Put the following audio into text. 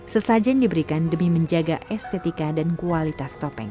sesajen diberikan demi menjaga estetika dan kualitas topeng